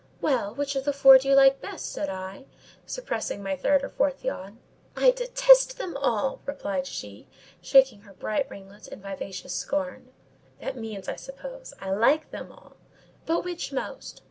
"Well, which of the four do you like best?" said I, suppressing my third or fourth yawn. "I detest them all!" replied she, shaking her bright ringlets in vivacious scorn. "That means, I suppose, 'I like them all'—but which most?"